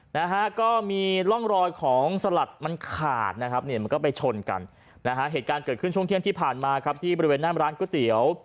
นะฮะก็มีร่องรอยของสลัดมันขาดนะครับเนี่ยมันก็ไปชนกันนะฮะเหตุการณ์เกิดขึ้นช่วงเที่ยงที่ผ่านมาครับที่บริเวณหน้าร้านก๋วยเตี๋ยว